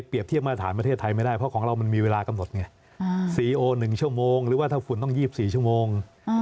เพราะว่าต้องไปเก็บกระดาษกอง